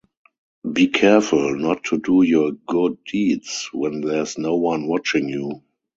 Be careful not to do your good deeds when there's no one watching you.